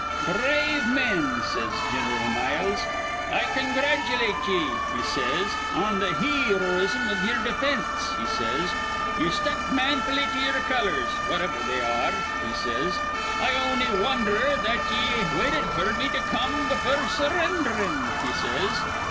'Br rave men,' says Gin'ral Miles, 'I congratulate ye,' he says, 'on th' heeroism iv yer definse,' he says. 'Ye stuck manfully to yer colors, whativer they ar re,' he says. 'I on'y wondher that ye waited f'r me to come befure surrindhrin,' he says.